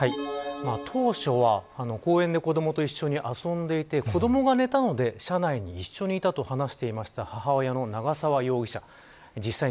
当初は、公園で子どもと一緒に遊んでいて、子どもが寝たので車内に一緒にいたと話していました母親の長沢容疑者。